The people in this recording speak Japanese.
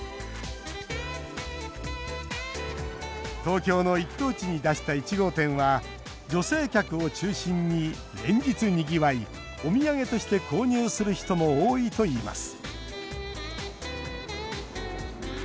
東京の一等地に出した１号店は女性客を中心に連日にぎわいお土産として購入する人も多いといいます